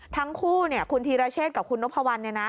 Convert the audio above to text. ทั้งคู่คุณธีรเชษกับคุณนพวัล